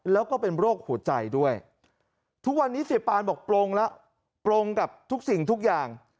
แล้วก็เป็นโรคหัวใจด้วยทุกวันนี้เสียปานบอกโปร่งแล้วโปรงกับทุกสิ่งทุกอย่าง